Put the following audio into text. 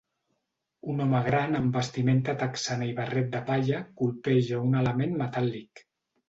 Un home gran amb vestimenta texana i barret de palla colpeja un element metàl·lic.